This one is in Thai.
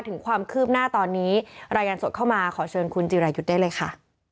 ถึงความคืบหน้าตอนนี้รายงานสดเข้ามาขอเชิญคุณจิรายุทธ์ได้เลยค่ะ